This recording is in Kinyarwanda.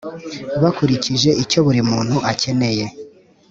Bakurikije icyo buri muntu akeneye